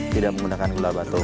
tidak menggunakan gula batu